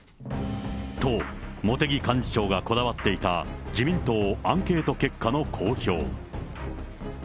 と、茂木幹事長がこだわっていた自民党アンケート結果の公表。